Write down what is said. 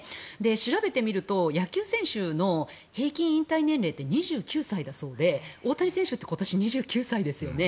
調べてみると、野球選手の平均引退年齢って２９歳だそうで、大谷選手って今年２９歳ですよね。